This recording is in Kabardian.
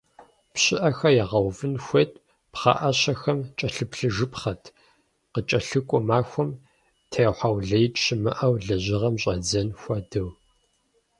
ПщыӀэхэр ягъэувын хуейт, пхъэӀэщэхэм кӀэлъыплъыжыпхъэт, къыкӀэлъыкӀуэ махуэм техьэулеикӀ щымыӀэу лэжьыгъэм щӀадзэн хуэдэу.